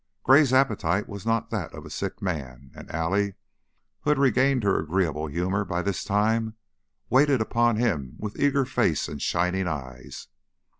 Gray's appetite was not that of a sick man, and Allie, who had regained her agreeable humor by this time, waited upon him with eager face and shining eyes.